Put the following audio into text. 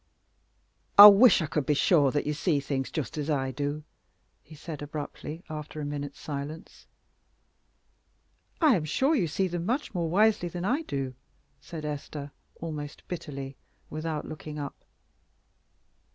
"I wish I could be sure that you see things just as I do," he said abruptly, after a minute's silence. "I am sure you see them much more wisely than I do!" said Esther, almost bitterly, without looking up.